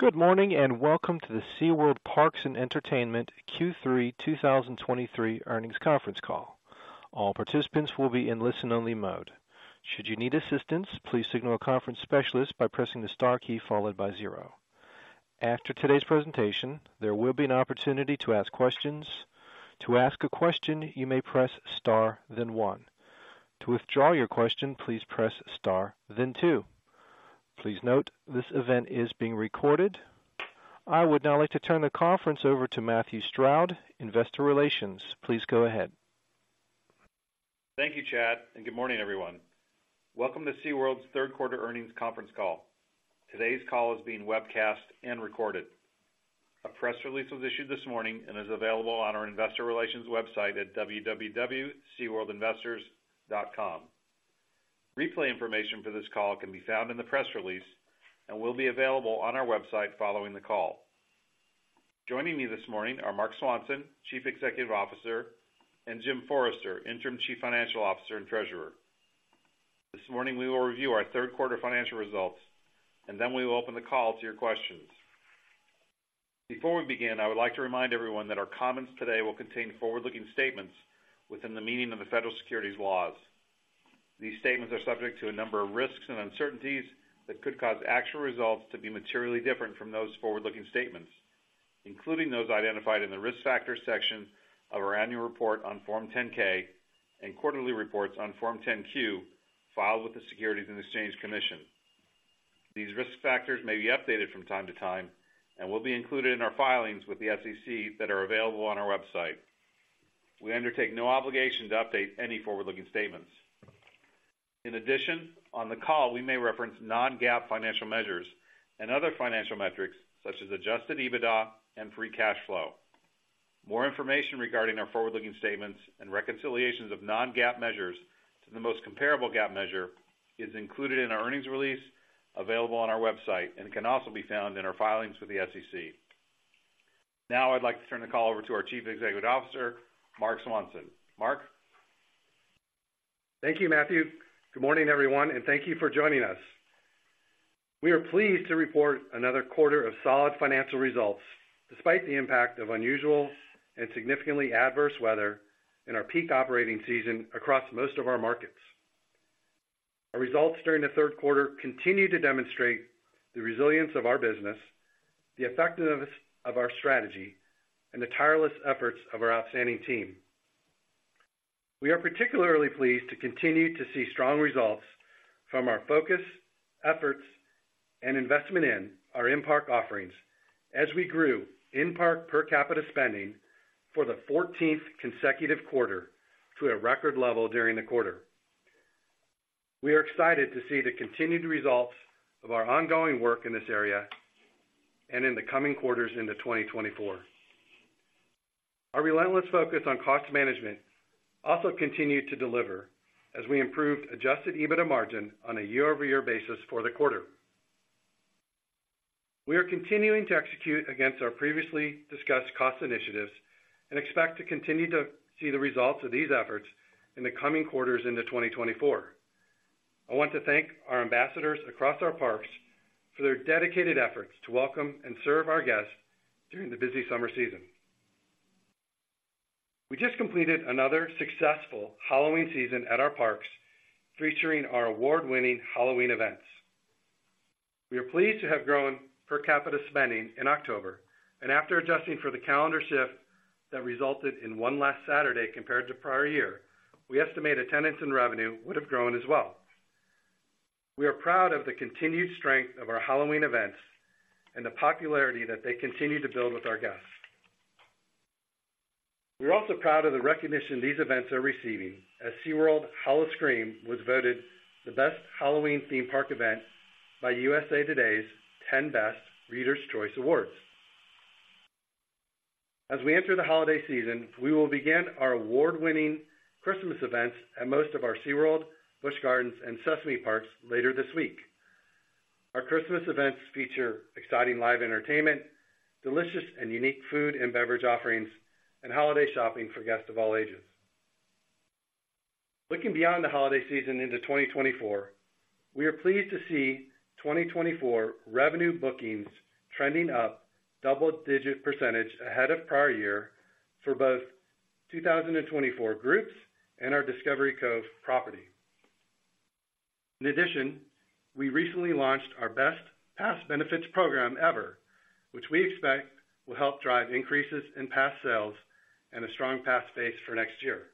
Good morning, and welcome to the SeaWorld Parks and Entertainment Q3 2023 Earnings Conference Call. All participants will be in listen-only mode. Should you need assistance, please signal a conference specialist by pressing the star key followed by zero. After today's presentation, there will be an opportunity to ask questions. To ask a question, you may press Star, then One. To withdraw your question, please press Star, then Two. Please note, this event is being recorded. I would now like to turn the conference over to Matthew Stroud, Investor Relations. Please go ahead. Thank you, Chad, and good morning, everyone. Welcome to SeaWorld's third quarter earnings conference call. Today's call is being webcast and recorded. A press release was issued this morning and is available on our investor relations website at www.seaworldinvestors.com. Replay information for this call can be found in the press release and will be available on our website following the call. Joining me this morning are Marc Swanson, Chief Executive Officer, and Jim Forrester, Interim Chief Financial Officer and Treasurer. This morning, we will review our third quarter financial results, and then we will open the call to your questions. Before we begin, I would like to remind everyone that our comments today will contain forward-looking statements within the meaning of the federal securities laws. These statements are subject to a number of risks and uncertainties that could cause actual results to be materially different from those forward-looking statements, including those identified in the Risk Factors section of our annual report on Form 10-K and quarterly reports on Form 10-Q, filed with the Securities and Exchange Commission. These risk factors may be updated from time to time and will be included in our filings with the SEC that are available on our website. We undertake no obligation to update any forward-looking statements. In addition, on the call, we may reference non-GAAP financial measures and other financial metrics such as adjusted EBITDA and free cash flow. More information regarding our forward-looking statements and reconciliations of non-GAAP measures to the most comparable GAAP measure is included in our earnings release available on our website and can also be found in our filings with the SEC. Now, I'd like to turn the call over to our Chief Executive Officer, Marc Swanson. Marc? Thank you, Matthew. Good morning, everyone, and thank you for joining us. We are pleased to report another quarter of solid financial results, despite the impact of unusual and significantly adverse weather in our peak operating season across most of our markets. Our results during the third quarter continue to demonstrate the resilience of our business, the effectiveness of our strategy, and the tireless efforts of our outstanding team. We are particularly pleased to continue to see strong results from our focus, efforts, and investment in our in-park offerings as we grew in-park per capita spending for the fourteenth consecutive quarter to a record level during the quarter. We are excited to see the continued results of our ongoing work in this area and in the coming quarters into 2024. Our relentless focus on cost management also continued to deliver as we improved Adjusted EBITDA margin on a year-over-year basis for the quarter. We are continuing to execute against our previously discussed cost initiatives and expect to continue to see the results of these efforts in the coming quarters into 2024. I want to thank our ambassadors across our parks for their dedicated efforts to welcome and serve our guests during the busy summer season. We just completed another successful Halloween season at our parks, featuring our award-winning Halloween events. We are pleased to have grown per capita spending in October, and after adjusting for the calendar shift that resulted in one last Saturday compared to prior year, we estimate attendance and revenue would have grown as well. We are proud of the continued strength of our Halloween events and the popularity that they continue to build with our guests. We're also proud of the recognition these events are receiving, as SeaWorld Howl-O-Scream was voted the best Halloween theme park event by USA Today's 10Best Readers' Choice Awards. As we enter the holiday season, we will begin our award-winning Christmas events at most of our SeaWorld, Busch Gardens, and Sesame parks later this week. Our Christmas events feature exciting live entertainment, delicious and unique food and beverage offerings, and holiday shopping for guests of all ages. Looking beyond the holiday season into 2024, we are pleased to see 2024 revenue bookings trending up double-digit % ahead of prior year for both 2024 groups and our Discovery Cove property. In addition, we recently launched our best pass benefits program ever, which we expect will help drive increases in pass sales and a strong pass base for next year.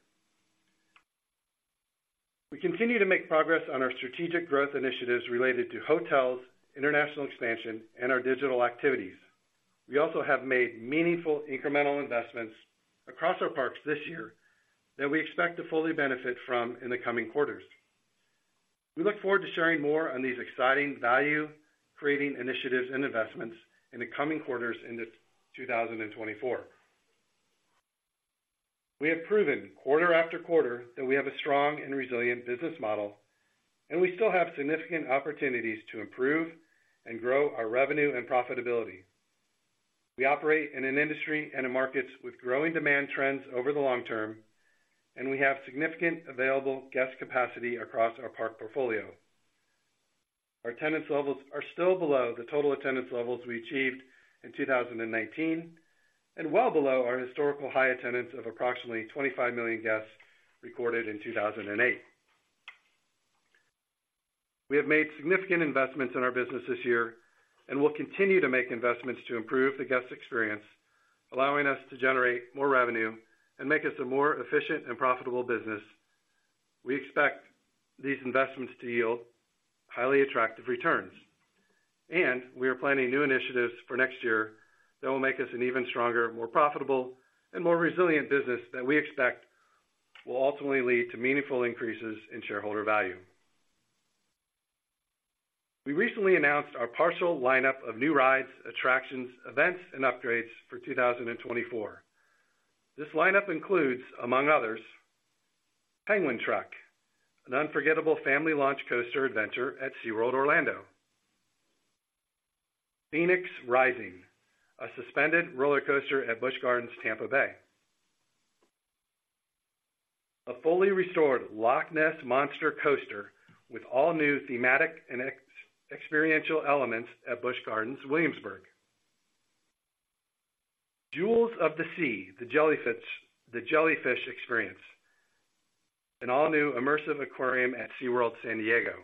We continue to make progress on our strategic growth initiatives related to hotels, international expansion, and our digital activities. We also have made meaningful incremental investments across our parks this year that we expect to fully benefit from in the coming quarters. We look forward to sharing more on these exciting value-creating initiatives and investments in the coming quarters into 2024. We have proven quarter after quarter that we have a strong and resilient business model, and we still have significant opportunities to improve and grow our revenue and profitability. We operate in an industry and in markets with growing demand trends over the long term, and we have significant available guest capacity across our park portfolio. Our attendance levels are still below the total attendance levels we achieved in 2019, and well below our historical high attendance of approximately 25 million guests recorded in 2008. We have made significant investments in our business this year, and we'll continue to make investments to improve the guest experience, allowing us to generate more revenue and make us a more efficient and profitable business. We expect these investments to yield highly attractive returns, and we are planning new initiatives for next year that will make us an even stronger, more profitable, and more resilient business that we expect will ultimately lead to meaningful increases in shareholder value. We recently announced our partial lineup of new rides, attractions, events, and upgrades for 2024. This lineup includes, among others: Penguin Trek, an unforgettable family launch coaster adventure at SeaWorld Orlando; Phoenix Rising, a suspended roller coaster at Busch Gardens Tampa Bay; a fully restored Loch Ness Monster coaster with all-new thematic and experiential elements at Busch Gardens Williamsburg; Jewels of the Sea: The Jellyfish Experience, an all-new immersive aquarium at SeaWorld San Diego;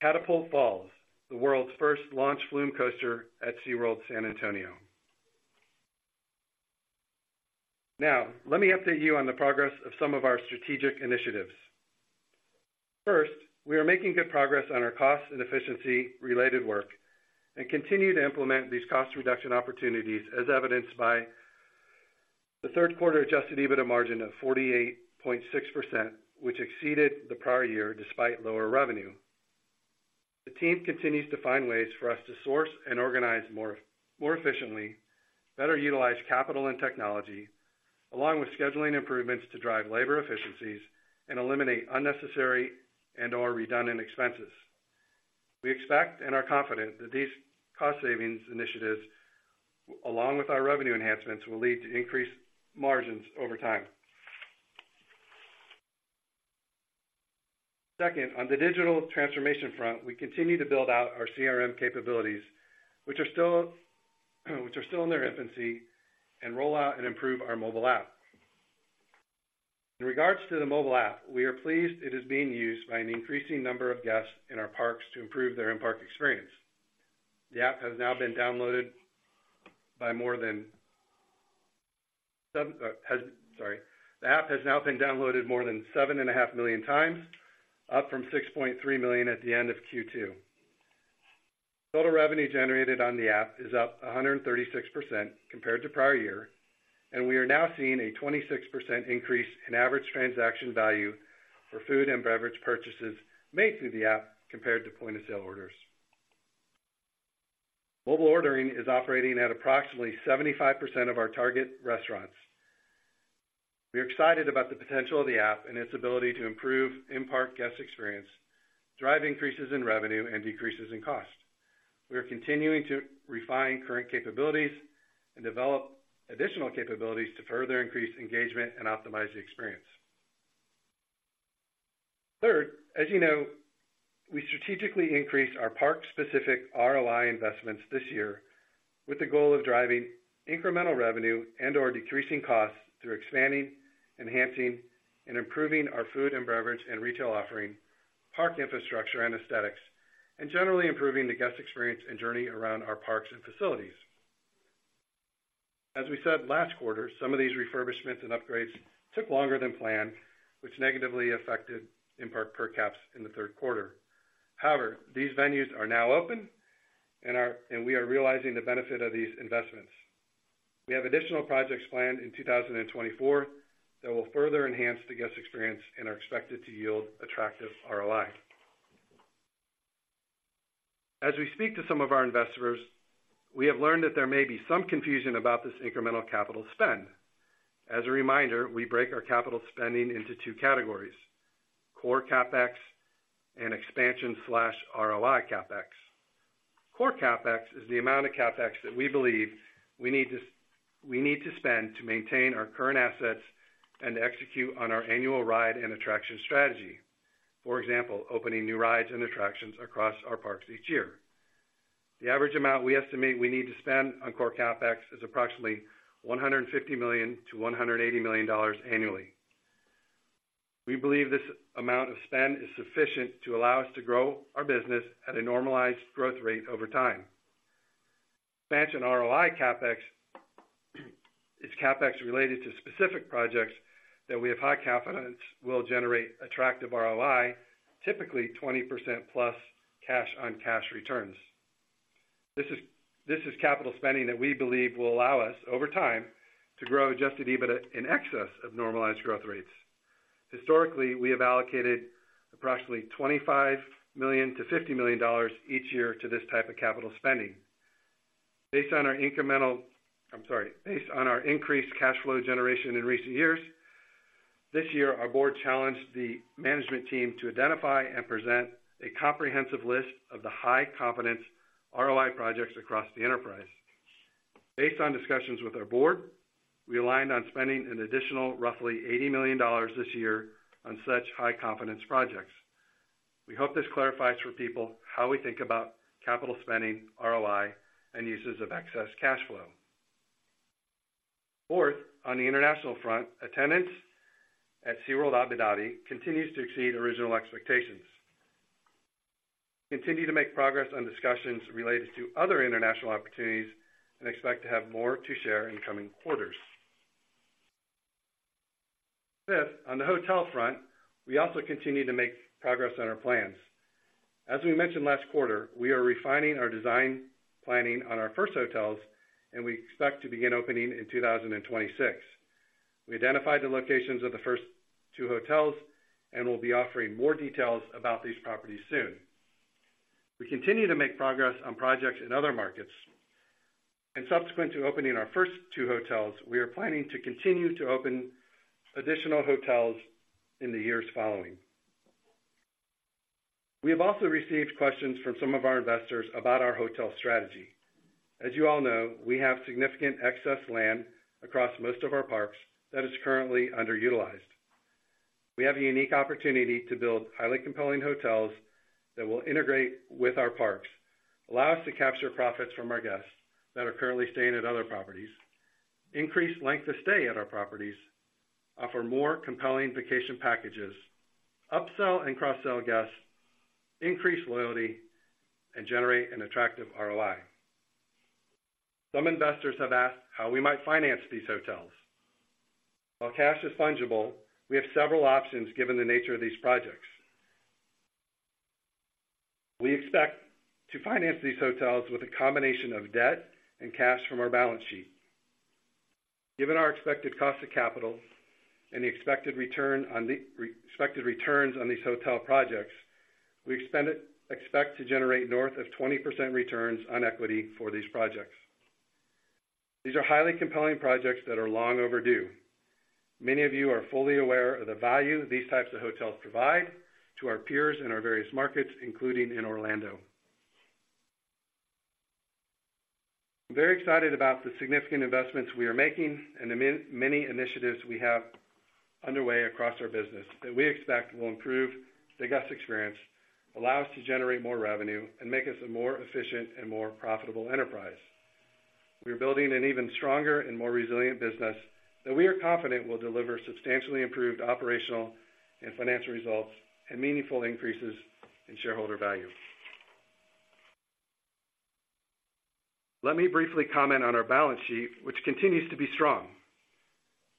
Catapult Falls, the world's first launch flume coaster at SeaWorld San Antonio. Now, let me update you on the progress of some of our strategic initiatives. First, we are making good progress on our cost and efficiency-related work, and continue to implement these cost reduction opportunities, as evidenced by the third quarter Adjusted EBITDA margin of 48.6%, which exceeded the prior year, despite lower revenue. The team continues to find ways for us to source and organize more, more efficiently, better utilize capital and technology, along with scheduling improvements to drive labor efficiencies and eliminate unnecessary and/or redundant expenses. We expect and are confident that these cost savings initiatives, along with our revenue enhancements, will lead to increased margins over time. Second, on the digital transformation front, we continue to build out our CRM capabilities, which are still in their infancy, and roll out and improve our mobile app. In regards to the mobile app, we are pleased it is being used by an increasing number of guests in our parks to improve their in-park experience. The app has now been downloaded by more than 7. The app has now been downloaded more than 7.5 million times, up from 6.3 million at the end of Q2. Total revenue generated on the app is up 136% compared to prior year, and we are now seeing a 26% increase in average transaction value for food and beverage purchases made through the app compared to point-of-sale orders. Mobile ordering is operating at approximately 75% of our target restaurants. We are excited about the potential of the app and its ability to improve in-park guest experience, drive increases in revenue, and decreases in cost. We are continuing to refine current capabilities and develop additional capabilities to further increase engagement and optimize the experience. Third, as you know, we strategically increased our park-specific ROI investments this year with the goal of driving incremental revenue and/or decreasing costs through expanding, enhancing, and improving our food and beverage and retail offering, park infrastructure and aesthetics, and generally improving the guest experience and journey around our parks and facilities. As we said last quarter, some of these refurbishments and upgrades took longer than planned, which negatively affected in-park per caps in the third quarter. However, these venues are now open, and we are realizing the benefit of these investments. We have additional projects planned in 2024 that will further enhance the guest experience and are expected to yield attractive ROI. As we speak to some of our investors, we have learned that there may be some confusion about this incremental capital spend. As a reminder, we break our capital spending into two categories: core CapEx and expansion/ROI CapEx. Core CapEx is the amount of CapEx that we believe we need to spend to maintain our current assets and execute on our annual ride and attraction strategy. For example, opening new rides and attractions across our parks each year. The average amount we estimate we need to spend on core CapEx is approximately $150 million-$180 million annually. We believe this amount of spend is sufficient to allow us to grow our business at a normalized growth rate over time. Expansion/ROI CapEx is CapEx related to specific projects that we have high confidence will generate attractive ROI, typically 20%+ cash on cash returns. This is capital spending that we believe will allow us, over time, to grow Adjusted EBITDA in excess of normalized growth rates. Historically, we have allocated approximately $25 million-$50 million each year to this type of capital spending. Based on our increased cash flow generation in recent years, this year, our board challenged the management team to identify and present a comprehensive list of the high-confidence ROI projects across the enterprise. Based on discussions with our board, we aligned on spending an additional roughly $80 million this year on such high-confidence projects. We hope this clarifies for people how we think about capital spending, ROI, and uses of excess cash flow. Fourth, on the international front, attendance at SeaWorld Abu Dhabi continues to exceed original expectations. We continue to make progress on discussions related to other international opportunities and expect to have more to share in coming quarters. Fifth, on the hotel front, we also continue to make progress on our plans. As we mentioned last quarter, we are refining our design planning on our first hotels, and we expect to begin opening in 2026. We identified the locations of the first two hotels, and we'll be offering more details about these properties soon. We continue to make progress on projects in other markets, and subsequent to opening our first two hotels, we are planning to continue to open additional hotels in the years following. We have also received questions from some of our investors about our hotel strategy. As you all know, we have significant excess land across most of our parks that is currently underutilized. We have a unique opportunity to build highly compelling hotels that will integrate with our parks, allow us to capture profits from our guests that are currently staying at other properties, increase length of stay at our properties, offer more compelling vacation packages, upsell and cross-sell guests, increase loyalty, and generate an attractive ROI. Some investors have asked how we might finance these hotels. While cash is fungible, we have several options given the nature of these projects. We expect to finance these hotels with a combination of debt and cash from our balance sheet. Given our expected cost of capital and the expected returns on these hotel projects, we expect to generate north of 20% returns on equity for these projects. These are highly compelling projects that are long overdue. Many of you are fully aware of the value these types of hotels provide to our peers in our various markets, including in Orlando. I'm very excited about the significant investments we are making and the many initiatives we have underway across our business, that we expect will improve the guest experience, allow us to generate more revenue, and make us a more efficient and more profitable enterprise. We are building an even stronger and more resilient business that we are confident will deliver substantially improved operational and financial results and meaningful increases in shareholder value. Let me briefly comment on our balance sheet, which continues to be strong.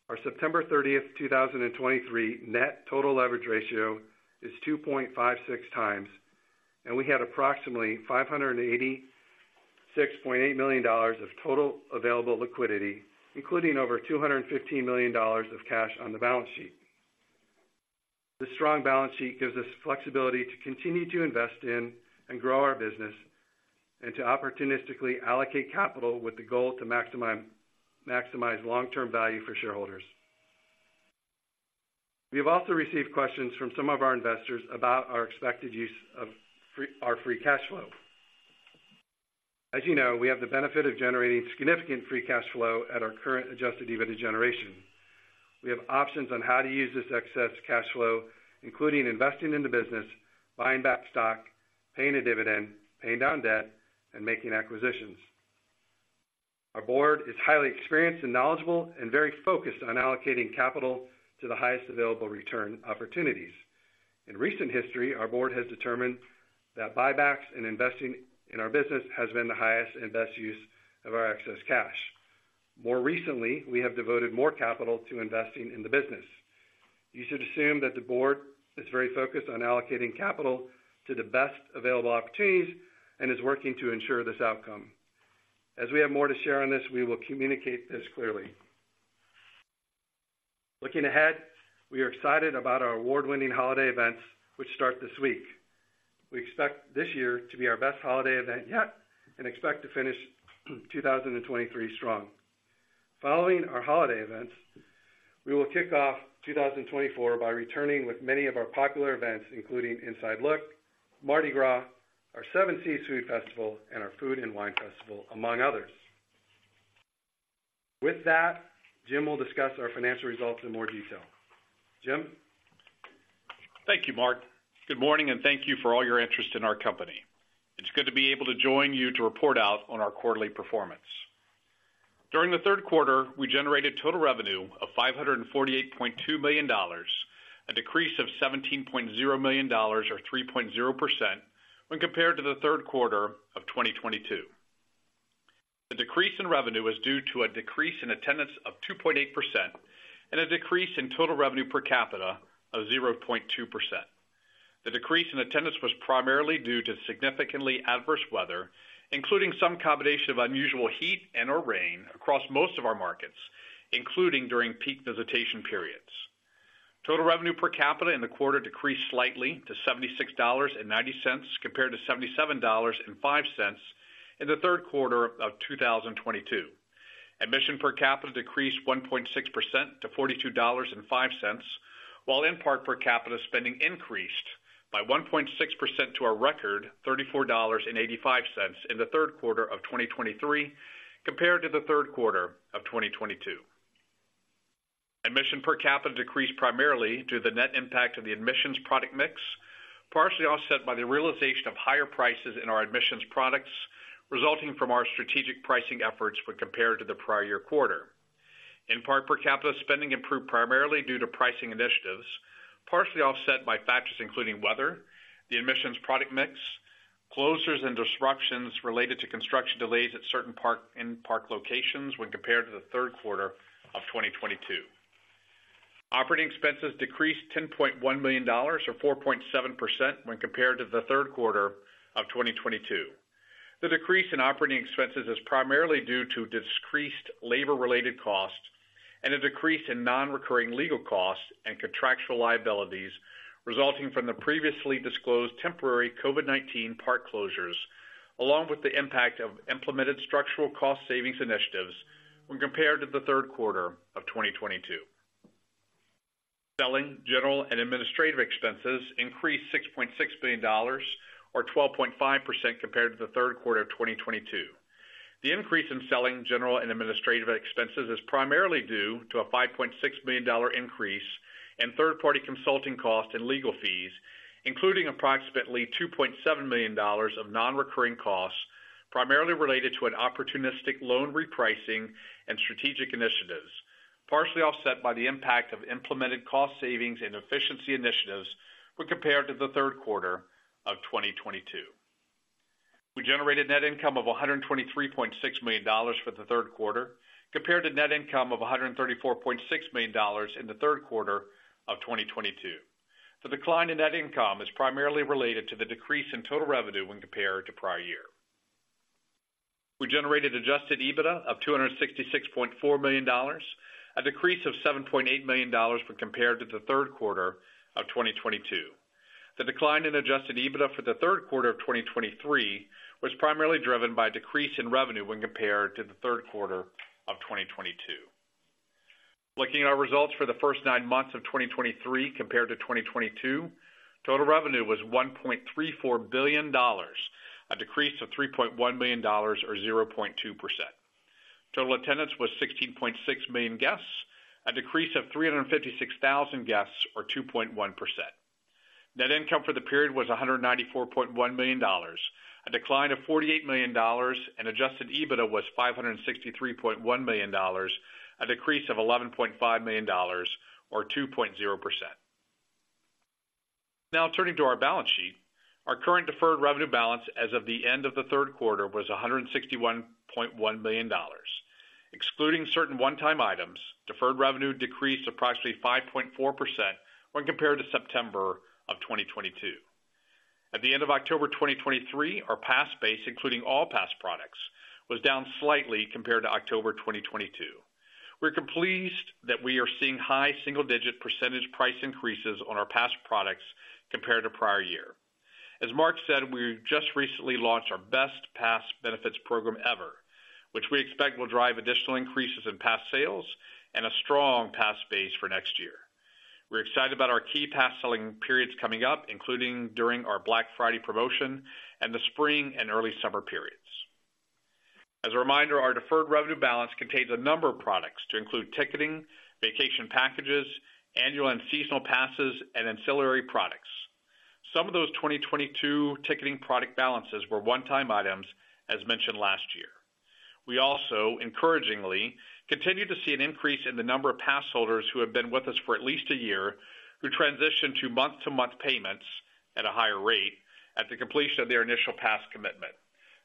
Our September 30, 2023, net total leverage ratio is 2.56x, and we had approximately $586.8 million of total available liquidity, including over $215 million of cash on the balance sheet. This strong balance sheet gives us flexibility to continue to invest in and grow our business and to opportunistically allocate capital with the goal to maximize, maximize long-term value for shareholders. We have also received questions from some of our investors about our expected use of our free cash flow. As you know, we have the benefit of generating significant free cash flow at our current Adjusted EBITDA generation. We have options on how to use this excess cash flow, including investing in the business, buying back stock, paying a dividend, paying down debt, and making acquisitions. Our board is highly experienced and knowledgeable and very focused on allocating capital to the highest available return opportunities. In recent history, our board has determined that buybacks and investing in our business has been the highest and best use of our excess cash. More recently, we have devoted more capital to investing in the business. You should assume that the board is very focused on allocating capital to the best available opportunities and is working to ensure this outcome. As we have more to share on this, we will communicate this clearly. Looking ahead, we are excited about our award-winning holiday events, which start this week. We expect this year to be our best holiday event yet and expect to finish 2023 strong. Following our holiday events, we will kick off 2024 by returning with many of our popular events, including Inside Look, Mardi Gras, our Seven Seas Food Festival, and our Food and Wine Festival, among others. With that, Jim will discuss our financial results in more detail. Jim? Thank you, Mark. Good morning, and thank you for all your interest in our company. It's good to be able to join you to report out on our quarterly performance. During the third quarter, we generated total revenue of $548.2 million, a decrease of $17.0 million or 3.0% when compared to the third quarter of 2022. The decrease in revenue was due to a decrease in attendance of 2.8% and a decrease in total revenue per capita of 0.2%. The decrease in attendance was primarily due to significantly adverse weather, including some combination of unusual heat and/or rain across most of our markets, including during peak visitation periods. Total revenue per capita in the quarter decreased slightly to $76.90, compared to $77.05 in the third quarter of 2022. Admission per capita decreased 1.6% to $42.05, while in- park per capita spending increased by 1.6% to a record $34.85 in the third quarter of 2023, compared to the third quarter of 2022. Admission per capita decreased primarily due to the net impact of the admissions product mix, partially offset by the realization of higher prices in our admissions products, resulting from our strategic pricing efforts when compared to the prior year quarter. In-park per capita spending improved primarily due to pricing initiatives, partially offset by factors including weather, the admissions product mix, closures and disruptions related to construction delays at certain -park and park locations when compared to the third quarter of 2022. Operating expenses decreased $10.1 million, or 4.7%, when compared to the third quarter of 2022. The decrease in operating expenses is primarily due to decreased labor-related costs and a decrease in non-recurring legal costs and contractual liabilities resulting from the previously disclosed temporary COVID-19 park closures, along with the impact of implemented structural cost savings initiatives when compared to the third quarter of 2022. Selling, general and administrative expenses increased $6.6 million or 12.5% compared to the third quarter of 2022. The increase in selling, general and administrative expenses is primarily due to a $5.6 million increase in third-party consulting costs and legal fees, including approximately $2.7 million of non-recurring costs, primarily related to an opportunistic loan repricing and strategic initiatives, partially offset by the impact of implemented cost savings and efficiency initiatives when compared to the third quarter of 2022. We generated net income of $123.6 million for the third quarter, compared to net income of $134.6 million in the third quarter of 2022. The decline in net income is primarily related to the decrease in total revenue when compared to prior year. We generated Adjusted EBITDA of $266.4 million, a decrease of $7.8 million when compared to the third quarter of 2022. The decline in Adjusted EBITDA for the third quarter of 2023 was primarily driven by a decrease in revenue when compared to the third quarter of 2022. Looking at our results for the first nine months of 2023 compared to 2022, total revenue was $1.34 billion, a decrease of $3.1 million, or 0.2%. Total attendance was 16.6 million guests, a decrease of 356,000 guests or 2.1%. Net income for the period was $194.1 million, a decline of $48 million, and Adjusted EBITDA was $563.1 million, a decrease of $11.5 million, or 2.0%. Now, turning to our balance sheet. Our current deferred revenue balance as of the end of the third quarter was $161.1 million. Excluding certain one-time items, deferred revenue decreased approximately 5.4% when compared to September 2022. At the end of October 2023, our Pass Base, including all pass products, was down slightly compared to October 2022. We're pleased that we are seeing high single-digit percentage price increases on our pass products compared to prior year. As Mark said, we just recently launched our best pass benefits program ever, which we expect will drive additional increases in pass sales and a strong pass base for next year. We're excited about our key pass selling periods coming up, including during our Black Friday promotion and the spring and early summer periods. As a reminder, our deferred revenue balance contains a number of products to include ticketing, vacation packages, annual and seasonal passes, and ancillary products. Some of those 2022 ticketing product balances were one-time items, as mentioned last year. We also, encouragingly, continue to see an increase in the number of pass holders who have been with us for at least a year, who transition to month-to-month payments at a higher rate at the completion of their initial pass commitment.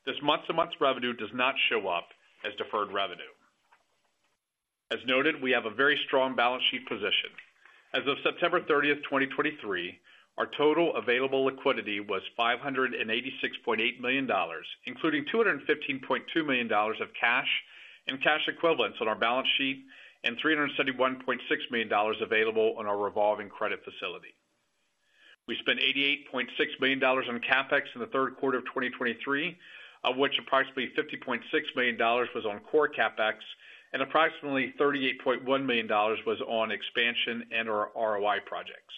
This month-to-month revenue does not show up as deferred revenue. As noted, we have a very strong balance sheet position. As of September 30, 2023, our total available liquidity was $586.8 million, including $215.2 million of cash and cash equivalents on our balance sheet and $371.6 million available on our revolving credit facility. We spent $88.6 million on CapEx in the third quarter of 2023, of which approximately $50.6 million was on core CapEx, and approximately $38.1 million was on expansion and/or ROI projects.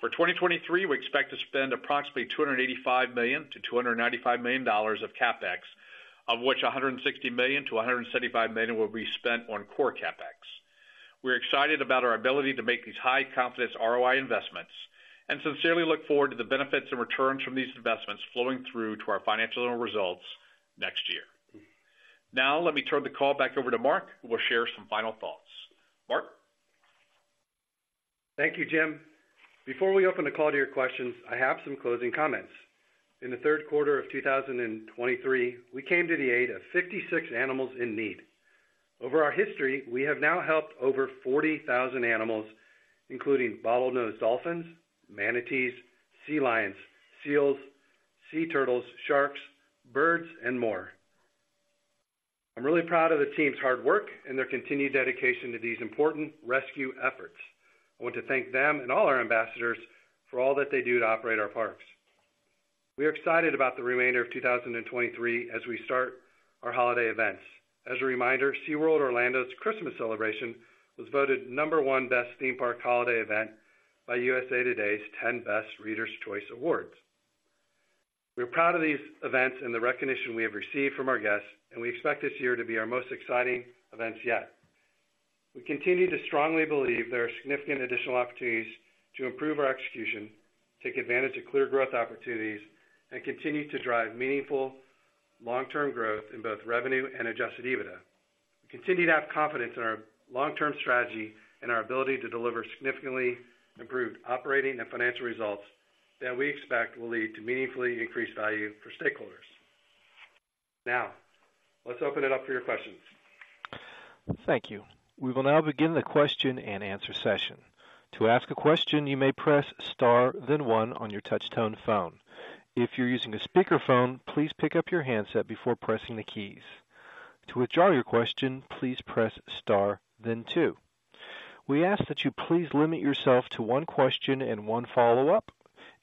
For 2023, we expect to spend approximately $285 million-$295 million of CapEx, of which $160 million-$175 million will be spent on core CapEx. We're excited about our ability to make these high-confidence ROI investments and sincerely look forward to the benefits and returns from these investments flowing through to our financial results next year. Now, let me turn the call back over to Marc, who will share some final thoughts. Marc? Thank you, Jim. Before we open the call to your questions, I have some closing comments. In the third quarter of 2023, we came to the aid of 56 animals in need. Over our history, we have now helped over 40,000 animals, including bottlenose dolphins, manatees, sea lions, seals, sea turtles, sharks, birds, and more. I'm really proud of the team's hard work and their continued dedication to these important rescue efforts. I want to thank them and all our ambassadors for all that they do to operate our parks.... We are excited about the remainder of 2023 as we start our holiday events. As a reminder, SeaWorld Orlando's Christmas celebration was voted #1 best theme park holiday event by USA Today's 10 Best Readers' Choice Awards. We're proud of these events and the recognition we have received from our guests, and we expect this year to be our most exciting events yet. We continue to strongly believe there are significant additional opportunities to improve our execution, take advantage of clear growth opportunities, and continue to drive meaningful long-term growth in both revenue and Adjusted EBITDA. We continue to have confidence in our long-term strategy and our ability to deliver significantly improved operating and financial results that we expect will lead to meaningfully increased value for stakeholders. Now, let's open it up for your questions. Thank you. We will now begin the question-and-answer session. To ask a question, you may press Star, then one on your touchtone phone. If you're using a speakerphone, please pick up your handset before pressing the keys. To withdraw your question, please press Star then two. We ask that you please limit yourself to one question and one follow-up.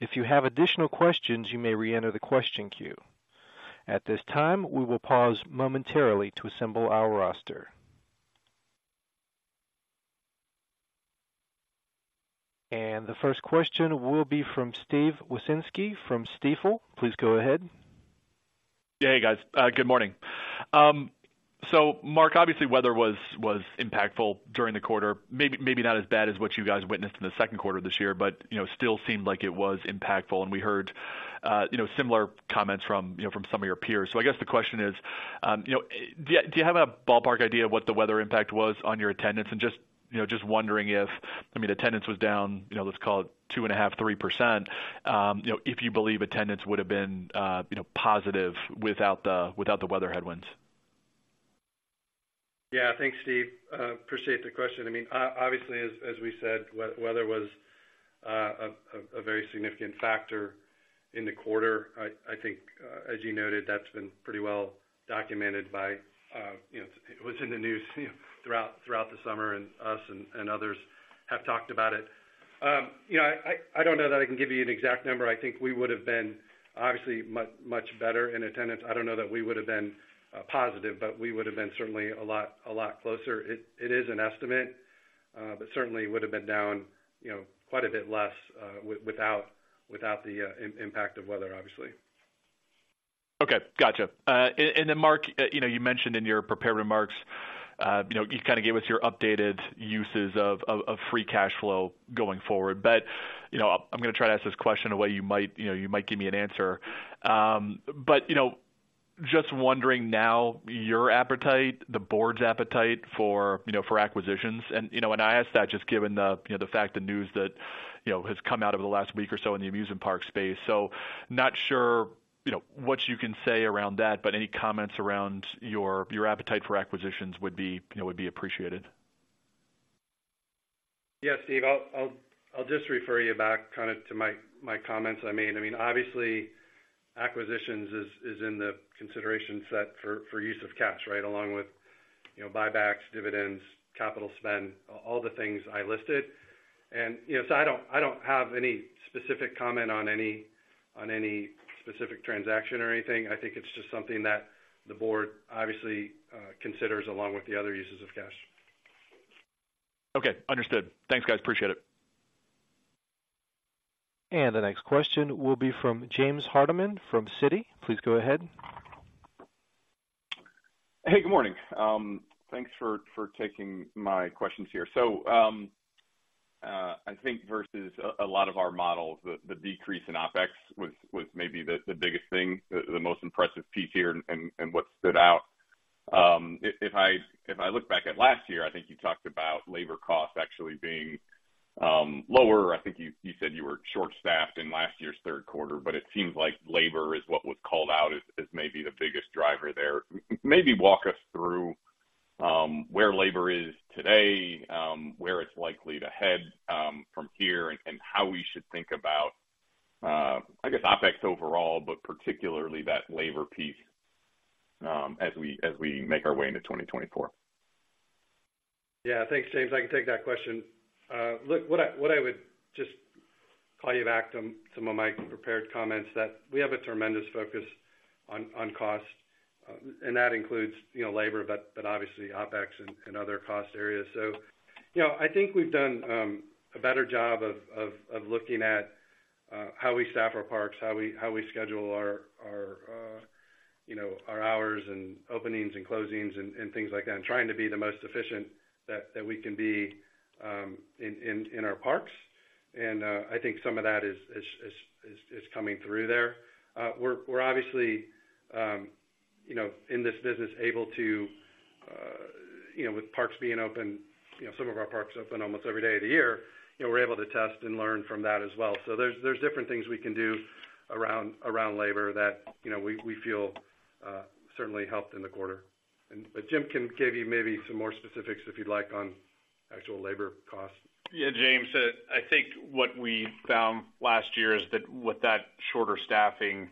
If you have additional questions, you may reenter the question queue. At this time, we will pause momentarily to assemble our roster. The first question will be from Steven Wieczynski from Stifel. Please go ahead. Yeah, hey, guys, good morning. So Marc, obviously, weather was impactful during the quarter. Maybe not as bad as what you guys witnessed in the second quarter of this year, but, you know, still seemed like it was impactful. And we heard you know, similar comments from you know, from some of your peers. So I guess the question is, you know, do you have a ballpark idea of what the weather impact was on your attendance? And just you know, just wondering if, I mean, attendance was down, you know, let's call it 2.5%-3%, you know, if you believe attendance would have been you know, positive without the weather headwinds. Yeah. Thanks, Steve. Appreciate the question. I mean, obviously, as we said, weather was a very significant factor in the quarter. I think, as you noted, that's been pretty well documented by, you know, it was in the news, you know, throughout the summer, and us and others have talked about it. You know, I don't know that I can give you an exact number. I think we would have been obviously much, much better in attendance. I don't know that we would have been positive, but we would have been certainly a lot, a lot closer. It is an estimate, but certainly would have been down, you know, quite a bit less without the impact of weather, obviously. Okay, gotcha. And then, Marc, you know, you mentioned in your prepared remarks, you know, you kind of gave us your updated uses of free cash flow going forward. But, you know, I'm gonna try to ask this question in a way you might, you know, you might give me an answer. But, you know, just wondering now, your appetite, the board's appetite for, you know, for acquisitions and, you know, and I ask that, just given the, you know, the fact the news that, you know, has come out over the last week or so in the amusement park space. So not sure, you know, what you can say around that, but any comments around your, your appetite for acquisitions would be, you know, would be appreciated. Yeah, Steve. I'll just refer you back kind of to my comments. I mean, obviously, acquisitions is in the consideration set for use of cash, right? Along with, you know, buybacks, dividends, capital spend, all the things I listed. And, you know, so I don't have any specific comment on any specific transaction or anything. I think it's just something that the board obviously considers along with the other uses of cash. Okay, understood. Thanks, guys. Appreciate it. The next question will be from James Hardiman from Citi. Please go ahead. Hey, good morning. Thanks for taking my questions here. So, I think versus a lot of our models, the decrease in OpEx was maybe the biggest thing, the most impressive piece here and what stood out. If I look back at last year, I think you talked about labor costs actually being lower. I think you said you were short-staffed in last year's third quarter, but it seems like labor is what was called out as maybe the biggest driver there. Maybe walk us through where labor is today, where it's likely to head from here, and how we should think about I guess OpEx overall, but particularly that labor piece, as we make our way into 2024. Yeah. Thanks, James. I can take that question. Look, what I would just call you back to some of my prepared comments, that we have a tremendous focus on cost, and that includes, you know, labor, but obviously OpEx and other cost areas. So, you know, I think we've done a better job of looking at how we staff our parks, how we schedule our hours and openings and closings and things like that, and trying to be the most efficient that we can be in our parks. I think some of that is coming through there. We're obviously, you know, in this business, able to, you know, with parks being open, you know, some of our parks open almost every day of the year, you know, we're able to test and learn from that as well. So there's different things we can do around labor that, you know, we feel certainly helped in the quarter. But Jim can give you maybe some more specifics, if you'd like, on actual labor costs. Yeah, James, I think what we found last year is that with that shorter staffing.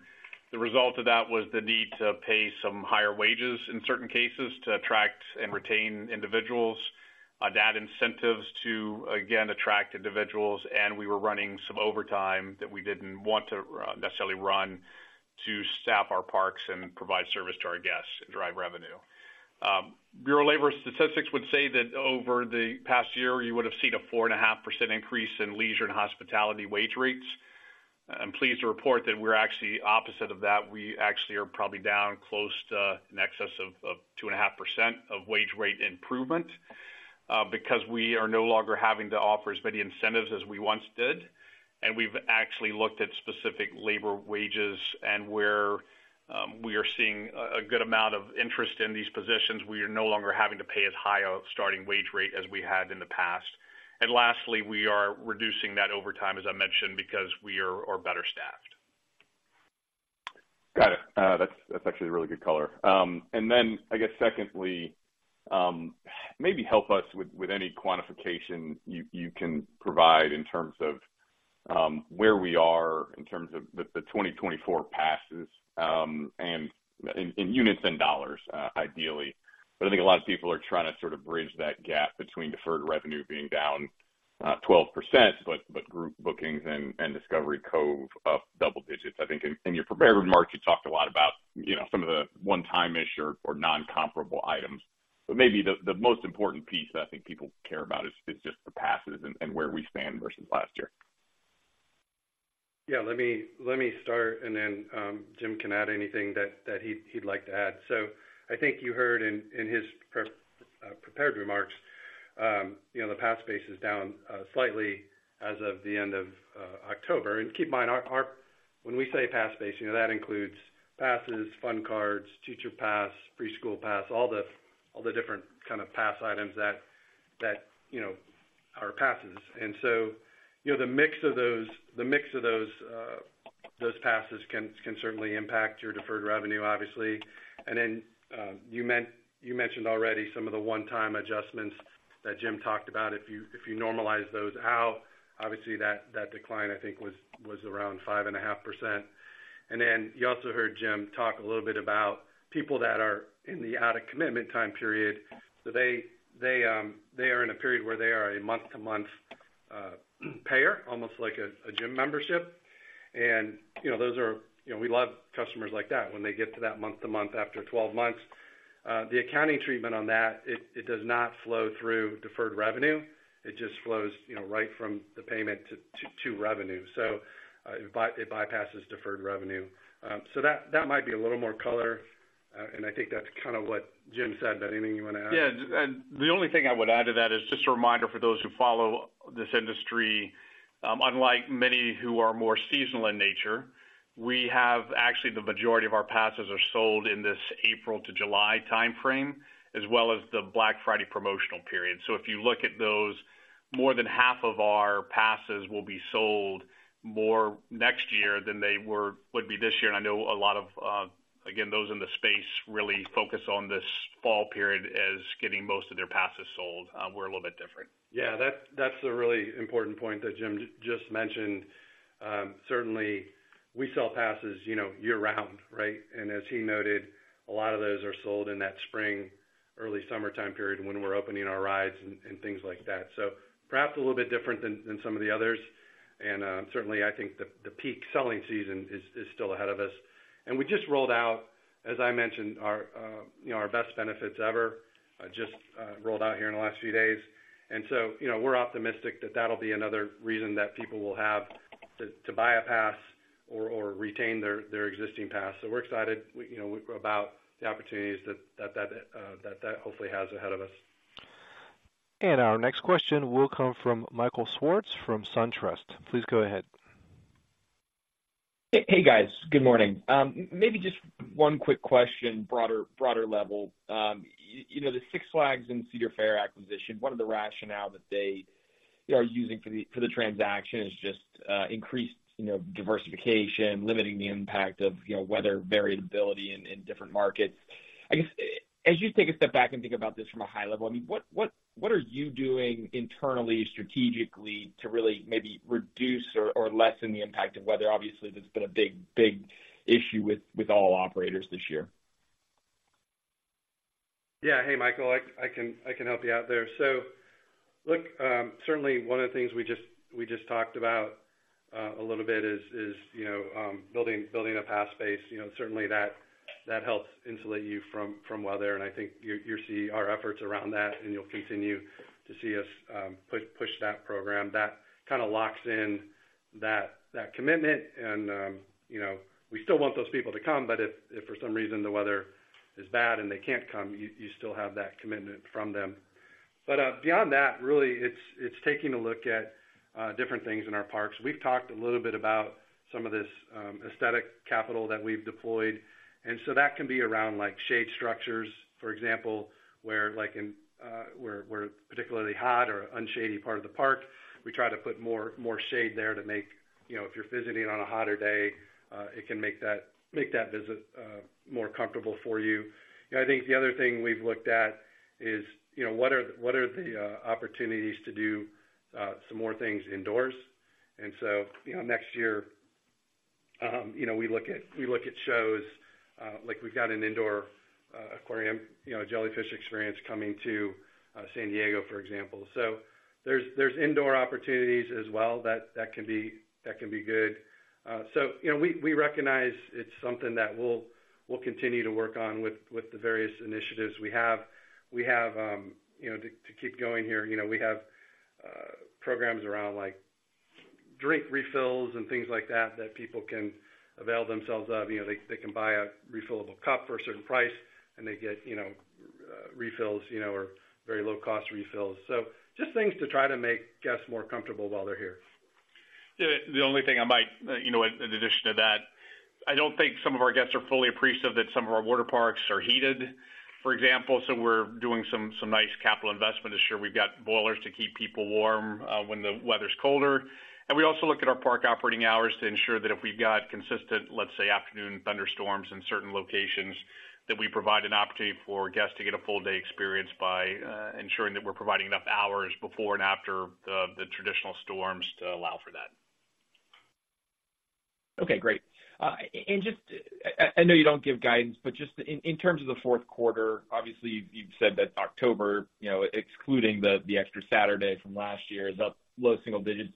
The result of that was the need to pay some higher wages in certain cases to attract and retain individuals, add incentives to, again, attract individuals, and we were running some overtime that we didn't want to, necessarily run to staff our parks and provide service to our guests and drive revenue. Bureau of Labor Statistics would say that over the past year, you would have seen a 4.5% increase in leisure and hospitality wage rates. I'm pleased to report that we're actually opposite of that. We actually are probably down close to in excess of 2.5% of wage rate improvement, because we are no longer having to offer as many incentives as we once did, and we've actually looked at specific labor wages, and we're we are seeing a good amount of interest in these positions. We are no longer having to pay as high a starting wage rate as we had in the past. And lastly, we are reducing that overtime, as I mentioned, because we are better staffed. Got it. That's, that's actually a really good color. And then I guess, secondly, maybe help us with, with any quantification you, you can provide in terms of, where we are in terms of the, the 2024 passes, and in, in units and dollars, ideally. But I think a lot of people are trying to sort of bridge that gap between deferred revenue being down 12%, but group bookings and Discovery Cove up double digits. I think in your prepared remarks, you talked a lot about, you know, some of the one-time issue or non-comparable items. But maybe the most important piece that I think people care about is just the passes and where we stand versus last year. Yeah, let me start, and then Jim can add anything that he'd like to add. So I think you heard in his prepared remarks, you know, the pass base is down slightly as of the end of October. And keep in mind, our pass base, when we say pass base, you know, that includes passes, Fun Cards, Teacher Pass, Preschool Pass, all the different kind of pass items that you know, are passes. And so, you know, the mix of those passes can certainly impact your deferred revenue, obviously. And then, you mentioned already some of the one-time adjustments that Jim talked about. If you normalize those out, obviously that decline, I think, was around 5.5%. Then you also heard Jim talk a little bit about people that are in the out-of-commitment time period. So they are in a period where they are a month-to-month payer, almost like a gym membership. And, you know, those are... You know, we love customers like that. When they get to that month to month after 12 months, the accounting treatment on that, it does not flow through Deferred Revenue. It just flows, you know, right from the payment to revenue. So, it bypasses Deferred Revenue. So that might be a little more color, and I think that's kind of what Jim said, but anything you wanna add? Yeah, and the only thing I would add to that is just a reminder for those who follow this industry, unlike many who are more seasonal in nature, we have, actually, the majority of our passes are sold in this April to July timeframe, as well as the Black Friday promotional period. So if you look at those, more than half of our passes will be sold more next year than they were, would be this year. And I know a lot of, again, those in the space really focus on this fall period as getting most of their passes sold. We're a little bit different. Yeah, that's, that's a really important point that Jim just mentioned. Certainly, we sell passes, you know, year-round, right? And as he noted, a lot of those are sold in that spring, early summertime period when we're opening our rides and things like that. So perhaps a little bit different than some of the others. And certainly, I think the peak selling season is still ahead of us. And we just rolled out, as I mentioned, our, you know, our best benefits ever, just rolled out here in the last few days. And so, you know, we're optimistic that that'll be another reason that people will have to buy a pass or retain their existing pass. So we're excited, you know, about the opportunities that hopefully has ahead of us. Our next question will come from Michael Swartz, from SunTrust. Please go ahead. Hey, hey, guys. Good morning. Maybe just one quick question, broader, broader level. You know, the Six Flags and Cedar Fair acquisition, what are the rationale that they are using for the, for the transaction? Is just, increased, you know, diversification, limiting the impact of, you know, weather variability in, in different markets? I guess, as you take a step back and think about this from a high level, I mean, what, what, what are you doing internally, strategically to really maybe reduce or, or lessen the impact of weather? Obviously, that's been a big, big issue with, with all operators this year. Yeah. Hey, Michael, I can help you out there. So look, certainly one of the things we just talked about a little bit is, you know, building a pass base. You know, certainly that helps insulate you from weather, and I think you see our efforts around that, and you'll continue to see us push that program. That kind of locks in that commitment and, you know, we still want those people to come, but if for some reason the weather is bad and they can't come, you still have that commitment from them. But, beyond that, really, it's taking a look at different things in our parks. We've talked a little bit about some of this, aesthetic capital that we've deployed, and so that can be around, like, shade structures, for example, where, like in, where particularly hot or unshady part of the park, we try to put more shade there to make. You know, if you're visiting on a hotter day, it can make that visit more comfortable for you. You know, I think the other thing we've looked at is, you know, what are the opportunities to do some more things indoors? And so, you know, next year, we look at shows like we've got an indoor aquarium, you know, Jellyfish Experience coming to San Diego, for example. So there's indoor opportunities as well, that can be good. So, you know, we recognize it's something that we'll continue to work on with the various initiatives we have. We have, you know, to keep going here, you know, we have programs around, like, drink refills and things like that, that people can avail themselves of. You know, they can buy a refillable cup for a certain price, and they get, you know, refills, you know, or very low-cost refills. So just things to try to make guests more comfortable while they're here. Yeah, the only thing I might, you know, in addition to that, I don't think some of our guests are fully appreciative that some of our water parks are heated, for example. So we're doing some nice capital investment this year. We've got boilers to keep people warm when the weather's colder. And we also look at our park operating hours to ensure that if we've got consistent, let's say, afternoon thunderstorms in certain locations, that we provide an opportunity for guests to get a full day experience by ensuring that we're providing enough hours before and after the traditional storms to allow for that. Okay, great. And I know you don't give guidance, but just in terms of the fourth quarter, obviously, you've said that October, you know, excluding the extra Saturday from last year, is up low single digits.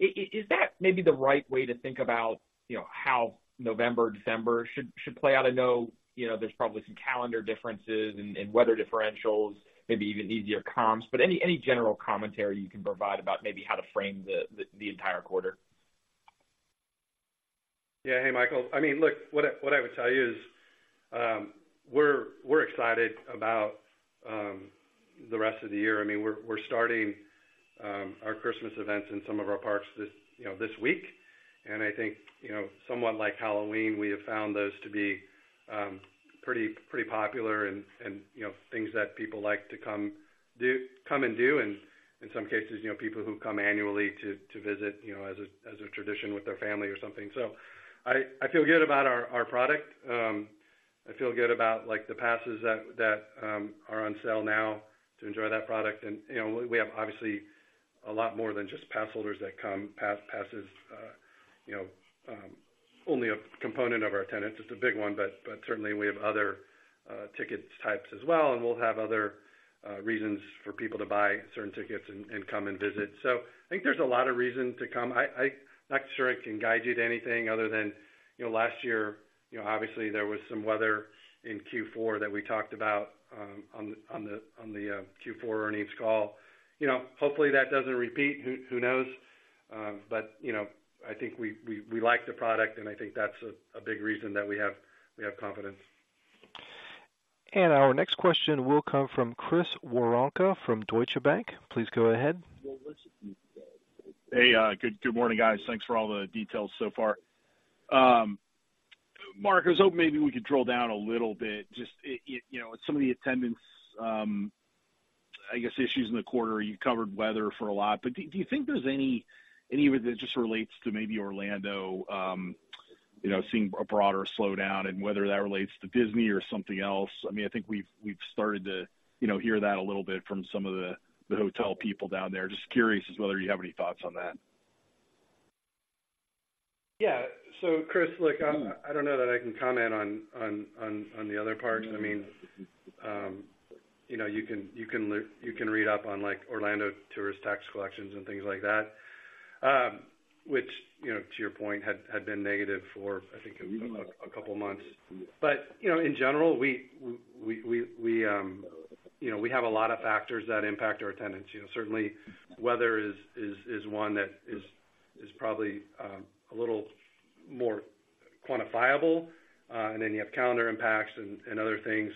Is that maybe the right way to think about, you know, how November, December should play out? I know, you know, there's probably some calendar differences and weather differentials, maybe even easier comps, but any general commentary you can provide about maybe how to frame the entire quarter? Yeah. Hey, Michael. I mean, look, what I would tell you is, we're excited about the rest of the year. I mean, we're starting our Christmas events in some of our parks this, you know, this week, and I think, you know, somewhat like Halloween, we have found those to be pretty popular and, you know, things that people like to come and do. And in some cases, you know, people who come annually to visit, you know, as a tradition with their family or something. So I feel good about our product. I feel good about, like, the passes that are on sale now to enjoy that product. And, you know, we have obviously a lot more than just pass holders that come. Passes, you know, only a component of our attendance. It's a big one, but certainly we have other ticket types as well, and we'll have other reasons for people to buy certain tickets and come and visit. So I think there's a lot of reason to come. I'm not sure I can guide you to anything other than, you know, last year, you know, obviously, there was some weather in Q4 that we talked about on the Q4 earnings call. You know, hopefully, that doesn't repeat. Who knows? But you know, I think we like the product, and I think that's a big reason that we have confidence. Our next question will come from Chris Woronka from Deutsche Bank. Please go ahead. Hey, good morning, guys. Thanks for all the details so far. Marc, I was hoping maybe we could drill down a little bit. You know, some of the attendance, I guess, issues in the quarter. You covered weather for a lot, but do you think there's any of it that just relates to maybe Orlando, you know, seeing a broader slowdown and whether that relates to Disney or something else? I mean, I think we've started to, you know, hear that a little bit from some of the hotel people down there. Just curious as to whether you have any thoughts on that. Yeah. So Chris, look, I don't know that I can comment on the other parks. I mean, you know, you can read up on, like, Orlando tourist tax collections and things like that, which, you know, to your point, had been negative for, I think, a couple of months. But, you know, in general, we have a lot of factors that impact our attendance. You know, certainly, weather is one that is probably a little more quantifiable, and then you have calendar impacts and other things.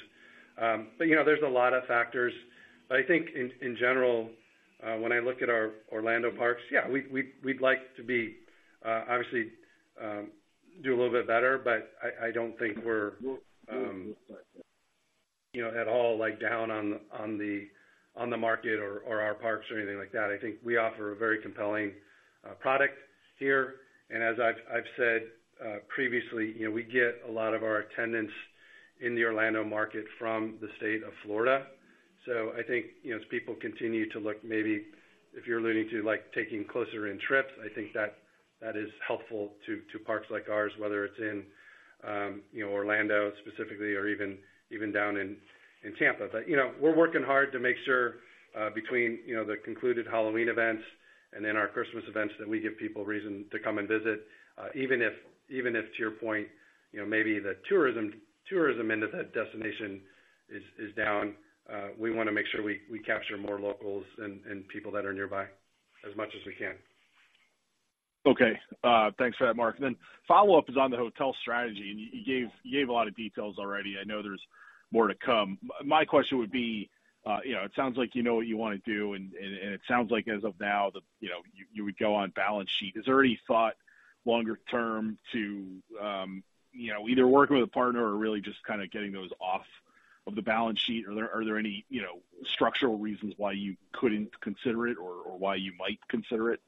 But, you know, there's a lot of factors. But I think in general, when I look at our Orlando parks, yeah, we'd like to be obviously do a little bit better, but I don't think we're, you know, at all, like, down on the market or our parks or anything like that. I think we offer a very compelling product here, and as I've said previously, you know, we get a lot of our attendance in the Orlando market from the state of Florida. So I think, you know, as people continue to look, maybe if you're alluding to, like, taking closer-in trips, I think that is helpful to parks like ours, whether it's in, you know, Orlando specifically or even down in Tampa. But, you know, we're working hard to make sure, between, you know, the concluded Halloween events and then our Christmas events, that we give people reason to come and visit. Even if, even if, to your point, you know, maybe the tourism, tourism into that destination is, is down, we wanna make sure we, we capture more locals and, and people that are nearby as much as we can. Okay. Thanks for that, Marc. Then follow-up is on the hotel strategy, and you gave, you gave a lot of details already. I know there's more to come. My question would be, you know, it sounds like you know what you wanna do, and it sounds like as of now, that, you know, you would go on balance sheet. Is there any thought longer term to, you know, either working with a partner or really just kind of getting those off of the balance sheet? Are there any, you know, structural reasons why you couldn't consider it or why you might consider it?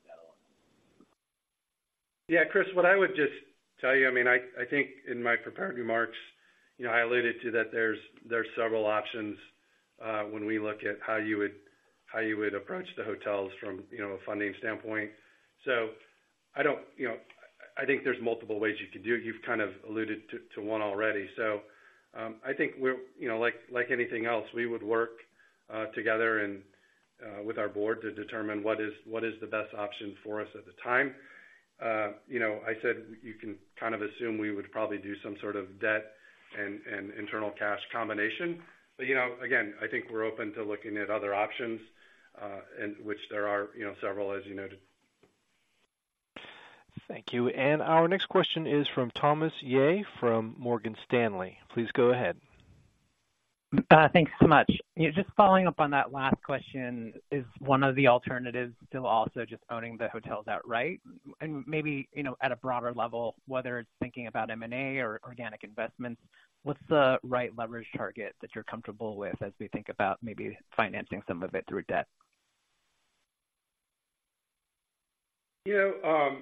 Yeah, Chris, what I would just tell you, I mean, I think in my prepared remarks, you know, I alluded to that there are several options when we look at how you would approach the hotels from a funding standpoint. So I don't, you know, I think there's multiple ways you could do it. You've kind of alluded to one already. So, I think we're, you know, like anything else, we would work together and with our board to determine what is the best option for us at the time. You know, I said you can kind of assume we would probably do some sort of debt and internal cash combination. You know, again, I think we're open to looking at other options, and which there are, you know, several, as you noted. Thank you. Our next question is from Thomas Yeh from Morgan Stanley. Please go ahead. Thanks so much. Yeah, just following up on that last question, is one of the alternatives to also just owning the hotels outright? And maybe, you know, at a broader level, whether it's thinking about M&A or organic investments, what's the right leverage target that you're comfortable with as we think about maybe financing some of it through debt? You know,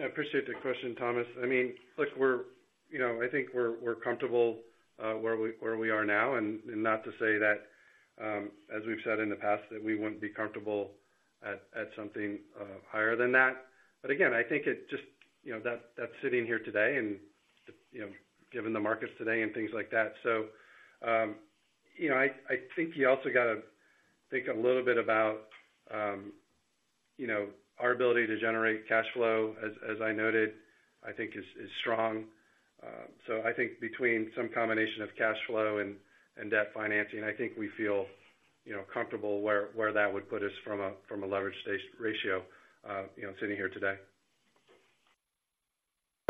I appreciate the question, Thomas. I mean, look, we're, you know, I think we're, we're comfortable where we, where we are now, and, and not to say that, as we've said in the past, that we wouldn't be comfortable at, at something higher than that. But again, I think it just, you know, that's sitting here today and, you know, given the markets today and things like that. So, you know, I, I think you also got to think a little bit about, you know, our ability to generate cash flow, as, as I noted, I think is, is strong. So I think between some combination of cash flow and, and debt financing, I think we feel, you know, comfortable where, where that would put us from a, from a leverage ratio, you know, sitting here today.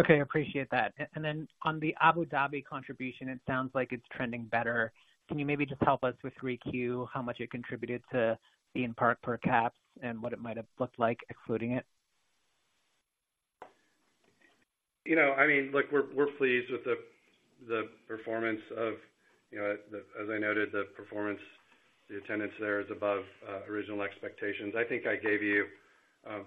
Okay, appreciate that. And then on the Abu Dhabi contribution, it sounds like it's trending better. Can you maybe just help us with 3Q, how much it contributed to the in-park per caps and what it might have looked like excluding it? You know, I mean, look, we're pleased with the performance, you know, as I noted, the performance. The attendance there is above original expectations. I think I gave you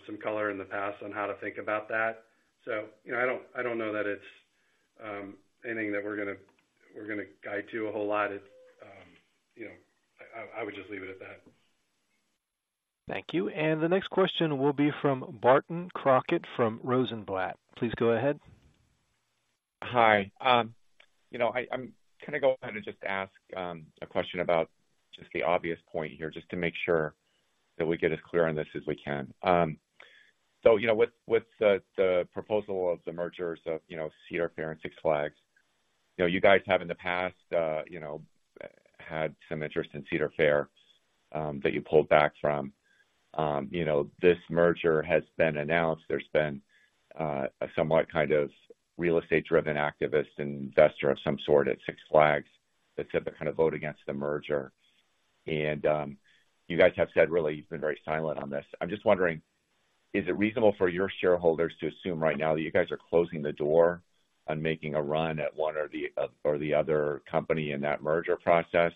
some color in the past on how to think about that. So, you know, I don't know that it's anything that we're gonna guide to a whole lot. You know, I would just leave it at that. Thank you. The next question will be from Barton Crockett from Rosenblatt. Please go ahead. Hi. You know, I’m gonna go ahead and just ask a question about just the obvious point here, just to make sure that we get as clear on this as we can. So, you know, with the proposal of the mergers of Cedar Fair and Six Flags, you know, you guys have in the past had some interest in Cedar Fair that you pulled back from. You know, this merger has been announced. There’s been a somewhat kind of real estate-driven activist investor of some sort at Six Flags that said, they’re gonna vote against the merger. You guys have said really, you’ve been very silent on this. I'm just wondering, is it reasonable for your shareholders to assume right now that you guys are closing the door on making a run at one or the other, or the other company in that merger process?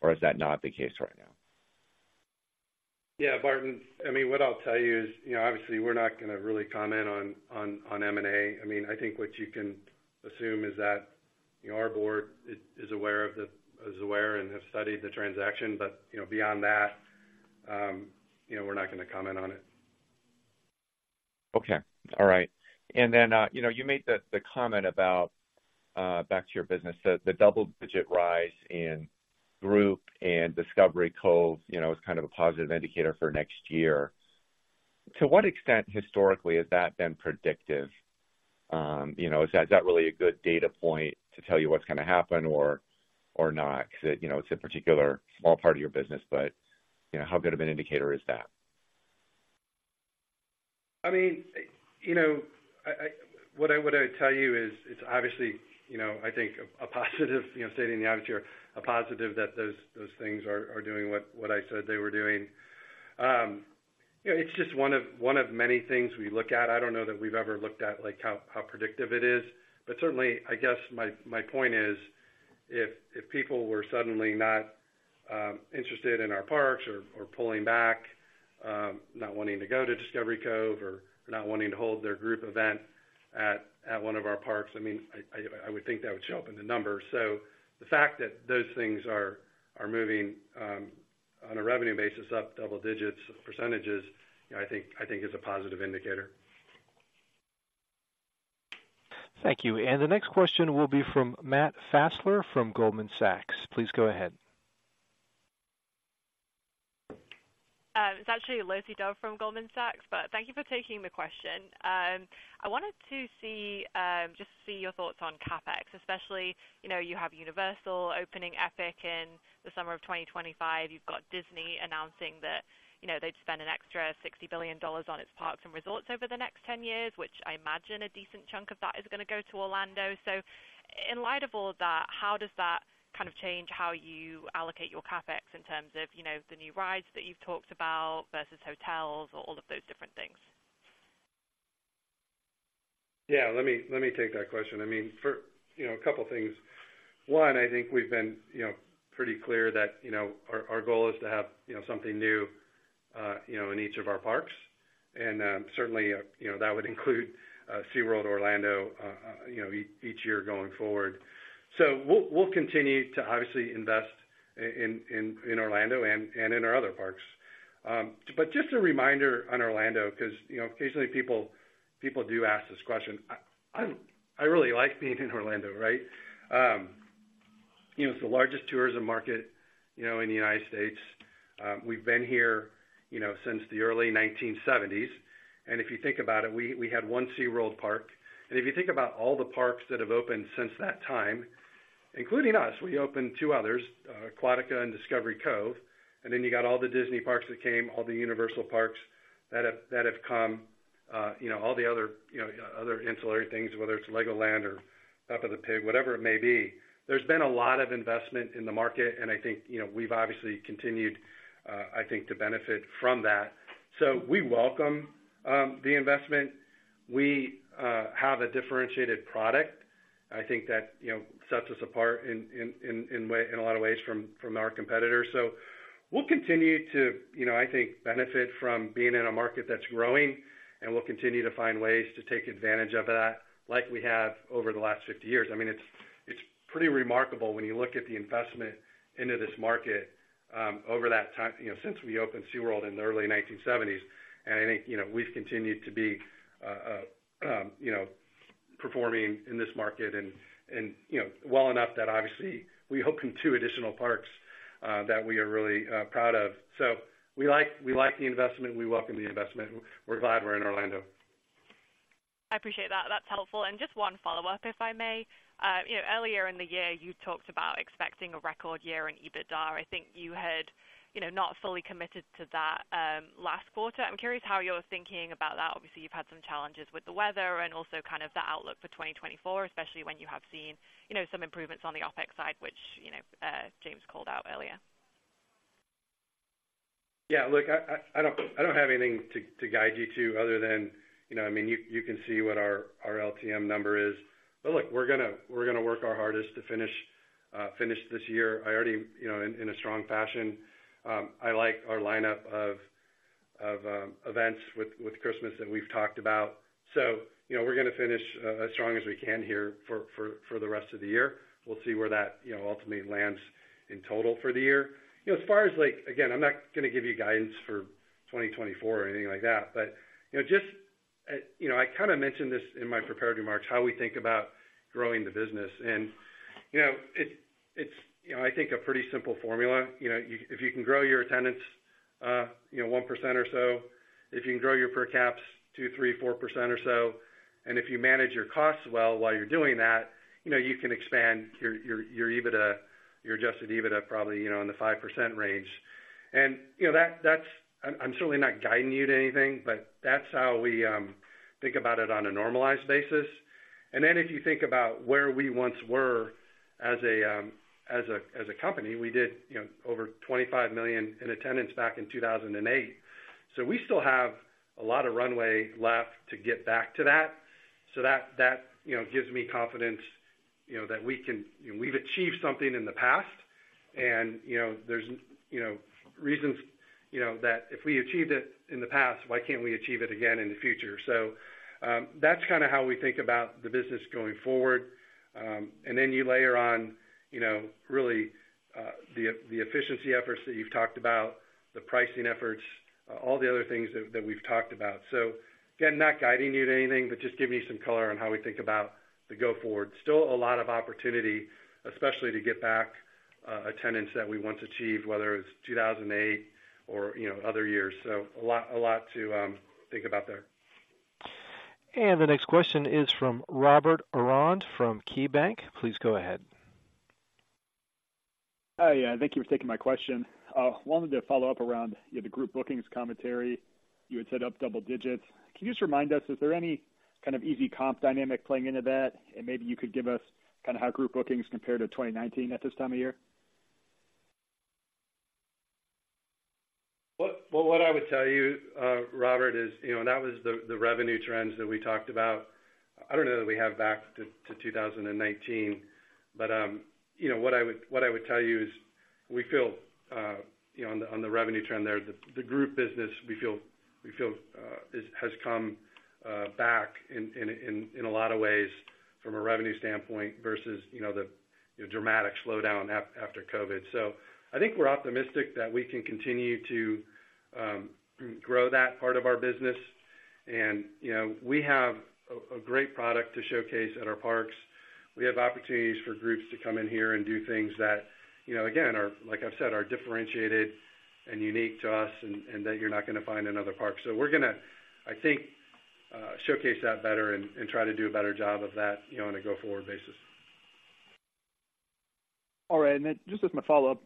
Or is that not the case right now? Yeah, Barton, I mean, what I'll tell you is, you know, obviously, we're not gonna really comment on M&A. I mean, I think what you can assume is that, you know, our board is aware and have studied the transaction, but, you know, beyond that, you know, we're not gonna comment on it. Okay, all right. And then, you know, you made the comment about back to your business, the double-digit rise in group and Discovery Cove, you know, is kind of a positive indicator for next year. To what extent, historically, has that been predictive? You know, is that really a good data point to tell you what's gonna happen or not? Because, you know, it's a particular small part of your business, but, you know, how good of an indicator is that? I mean, you know, what I tell you is, it's obviously, you know, I think a positive, you know, stating the obvious here, a positive that those things are doing what I said they were doing. You know, it's just one of many things we look at. I don't know that we've ever looked at, like, how predictive it is. But certainly, I guess my point is, if people were suddenly not interested in our parks or pulling back, not wanting to go to Discovery Cove or not wanting to hold their group event at one of our parks, I mean, I would think that would show up in the numbers. The fact that those things are moving, on a revenue basis, up double-digit percentages, I think, is a positive indicator. Thank you. The next question will be from Matt Fassler from Goldman Sachs. Please go ahead. It's actually Lizzie Dove from Goldman Sachs, but thank you for taking the question. I wanted to see, just to see your thoughts on CapEx, especially, you know, you have Universal opening Epic in the summer of 2025. You've got Disney announcing that, you know, they'd spend an extra $60 billion on its parks and resorts over the next 10 years, which I imagine a decent chunk of that is gonna go to Orlando. So in light of all that, how does that kind of change how you allocate your CapEx in terms of, you know, the new rides that you've talked about versus hotels or all of those different things? Yeah, let me take that question. I mean, you know, a couple things. One, I think we've been you know, pretty clear that you know, our goal is to have you know, something new you know, in each of our parks... And certainly you know, that would include SeaWorld Orlando you know, each year going forward. So we'll continue to obviously invest in in Orlando and in our other parks. But just a reminder on Orlando, because you know, occasionally people do ask this question. I really like being in Orlando, right? You know, it's the largest tourism market you know, in the United States. We've been here you know, since the early 1970s. And if you think about it, we had one SeaWorld park. If you think about all the parks that have opened since that time, including us, we opened two others, Aquatica and Discovery Cove, and then you got all the Disney parks that came, all the Universal parks that have come, you know, all the other, you know, other ancillary things, whether it's Legoland or Peppa the Pig, whatever it may be. There's been a lot of investment in the market, and I think, you know, we've obviously continued, I think, to benefit from that. So we welcome the investment. We have a differentiated product. I think that, you know, sets us apart in a lot of ways from our competitors. So we'll continue to, you know, I think, benefit from being in a market that's growing, and we'll continue to find ways to take advantage of that like we have over the last 50 years. I mean, it's pretty remarkable when you look at the investment into this market over that time, you know, since we opened SeaWorld in the early 1970s. And I think, you know, we've continued to be, you know, performing in this market and, you know, well enough that obviously we opened 2 additional parks that we are really proud of. So we like the investment, we welcome the investment. We're glad we're in Orlando. I appreciate that. That's helpful. Just one follow-up, if I may. You know, earlier in the year, you talked about expecting a record year in EBITDA. I think you had, you know, not fully committed to that, last quarter. I'm curious how you're thinking about that. Obviously, you've had some challenges with the weather and also kind of the outlook for 2024, especially when you have seen, you know, some improvements on the OpEx side, which, you know, James called out earlier. Yeah, look, I don't have anything to guide you to other than, you know, I mean, you can see what our LTM number is. But look, we're gonna work our hardest to finish this year, I already... You know, in a strong fashion. I like our lineup of events with Christmas that we've talked about. So, you know, we're gonna finish as strong as we can here for the rest of the year. We'll see where that, you know, ultimately lands in total for the year. You know, as far as, like, again, I'm not gonna give you guidance for 2024 or anything like that, but, you know, just, you know, I kind of mentioned this in my prepared remarks, how we think about growing the business. You know, it's a pretty simple formula. You know, if you can grow your attendance, you know, 1% or so, if you can grow your per caps 2, 3, 4% or so, and if you manage your costs well while you're doing that, you know, you can expand your EBITDA, your adjusted EBITDA, probably, you know, in the 5% range. You know, that's, I'm certainly not guiding you to anything, but that's how we think about it on a normalized basis. And then if you think about where we once were as a company, we did, you know, over 25 million in attendance back in 2008. So we still have a lot of runway left to get back to that. So that, you know, gives me confidence, you know, that we can, we've achieved something in the past. And, you know, there's, you know, reasons, you know, that if we achieved it in the past, why can't we achieve it again in the future? So, that's kind of how we think about the business going forward. And then you layer on, you know, really, the efficiency efforts that you've talked about, the pricing efforts, all the other things that we've talked about. So again, not guiding you to anything, but just giving you some color on how we think about the go forward. Still a lot of opportunity, especially to get back attendance that we once achieved, whether it's 2008 or, you know, other years. So a lot, a lot to think about there. The next question is from Brett Andress from KeyBanc. Please go ahead. Hi, thank you for taking my question. Wanted to follow up around, you know, the group bookings commentary. You had said up double digits. Can you just remind us, is there any kind of easy comp dynamic playing into that? And maybe you could give us kind of how group bookings compare to 2019 at this time of year. Well, what I would tell you, Robert, is, you know, that was the revenue trends that we talked about. I don't know that we have back to 2019, but, you know, what I would tell you is we feel, you know, on the revenue trend there, the group business, we feel has come back in a lot of ways from a revenue standpoint versus, you know, the dramatic slowdown after COVID. So I think we're optimistic that we can continue to grow that part of our business. And, you know, we have a great product to showcase at our parks. We have opportunities for groups to come in here and do things that, you know, again, are, like I've said, are differentiated and unique to us and, and that you're not gonna find another park. So we're gonna, I think, showcase that better and, and try to do a better job of that, you know, on a go-forward basis. All right. And then just as my follow-up,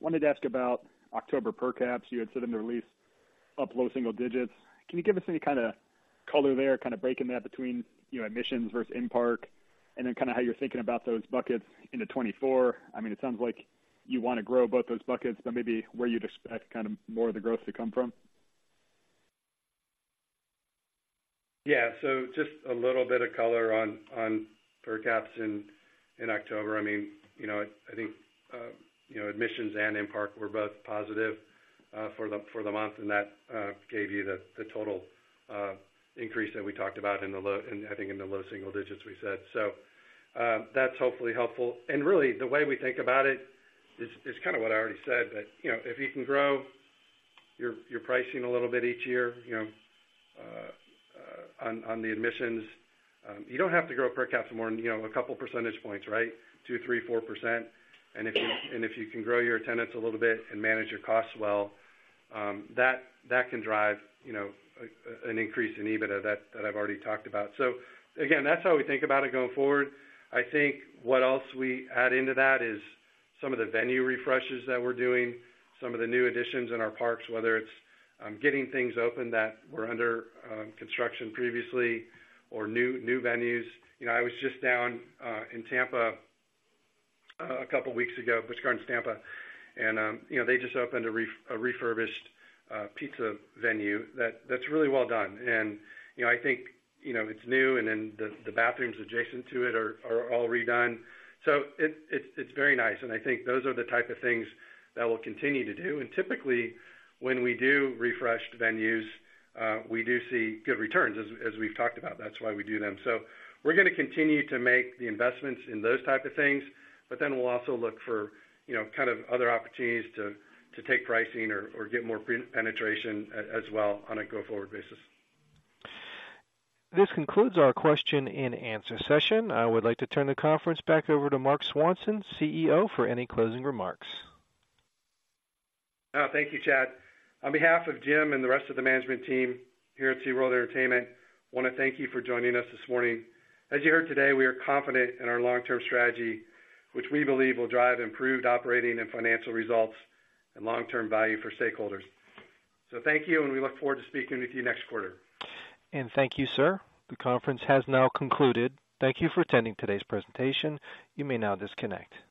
wanted to ask about October per caps. You had said in the release, up low single digits. Can you give us any kind of color there, kind of breaking that between, you know, admissions versus in-park, and then kind of how you're thinking about those buckets into 2024? I mean, it sounds like you want to grow both those buckets, but maybe where you'd expect kind of more of the growth to come from?... Yeah, so just a little bit of color on per caps in October. I mean, you know, I think, you know, admissions and in park were both positive for the month, and that gave you the total increase that we talked about in the low single digits, we said. So, that's hopefully helpful. And really, the way we think about it is kind of what I already said. But, you know, if you can grow your pricing a little bit each year, you know, on the admissions, you don't have to grow per capita more than, you know, a couple percentage points, right? 2, 3, 4%. If you can grow your attendance a little bit and manage your costs well, that can drive, you know, an increase in EBITDA that I've already talked about. So again, that's how we think about it going forward. I think what else we add into that is some of the venue refreshes that we're doing, some of the new additions in our parks, whether it's getting things open that were under construction previously or new venues. You know, I was just down in Tampa a couple of weeks ago, Busch Gardens Tampa, and you know, they just opened a refurbished pizza venue that's really well done. You know, I think, you know, it's new, and then the bathrooms adjacent to it are all redone. So it's very nice, and I think those are the type of things that we'll continue to do. And typically, when we do refresh the venues, we do see good returns, as we've talked about. That's why we do them. So we're gonna continue to make the investments in those type of things, but then we'll also look for, you know, kind of other opportunities to take pricing or get more penetration as well on a go-forward basis. This concludes our question-and-answer session. I would like to turn the conference back over to Marc Swanson, CEO, for any closing remarks. Thank you, Chad. On behalf of Jim and the rest of the management team here at SeaWorld Entertainment, I wanna thank you for joining us this morning. As you heard today, we are confident in our long-term strategy, which we believe will drive improved operating and financial results and long-term value for stakeholders. So thank you, and we look forward to speaking with you next quarter. Thank you, sir. The conference has now concluded. Thank you for attending today's presentation. You may now disconnect.